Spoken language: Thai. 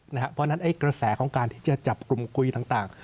เพราะฉะนั้นกระแสของการที่จะจับกลุ่มคุยต่าง